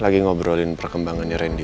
lagi ngobrolin perkembangan ya randy